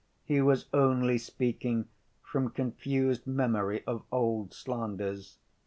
He was only speaking from confused memory of old slanders.